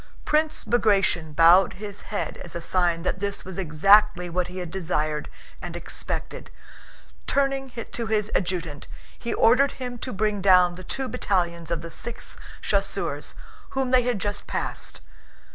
Prince Bagratión bowed his head as a sign that this was exactly what he had desired and expected. Turning to his adjutant he ordered him to bring down the two battalions of the Sixth Chasseurs whom they had just passed.